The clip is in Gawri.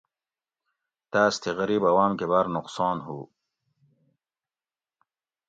تۤاس تھ غریب عوام کہ باۤر نقصان ھُو